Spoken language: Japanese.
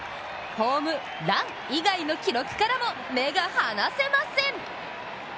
ホーム「ラン」以外の記録からも目が離せません。